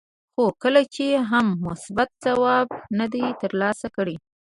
خو کله یې هم مثبت ځواب نه دی ترلاسه کړی.